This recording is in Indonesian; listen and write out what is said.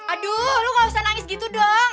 aduh lu gak usah nangis gitu dong